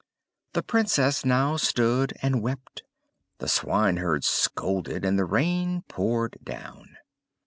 The Princess now stood and wept, the swineherd scolded, and the rain poured down.